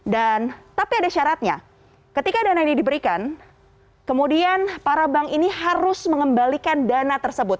dan tapi ada syaratnya ketika dana ini diberikan kemudian para bank ini harus mengembalikan dana tersebut